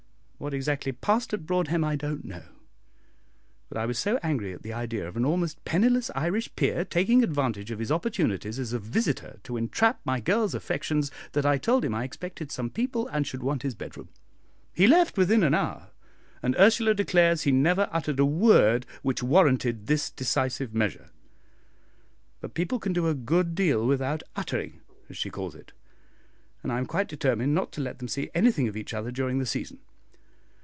What exactly passed at Broadhem I don't know; but I was so angry at the idea of an almost penniless Irish peer taking advantage of his opportunities as a visitor to entrap my girl's affections, that I told him I expected some people, and should want his bedroom. He left within an hour, and Ursula declares he never uttered a word which warranted this decisive measure; but people can do a good deal without 'uttering,' as she calls it; and I am quite determined not to let them see anything of each other during the season.